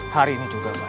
hari ini juga barak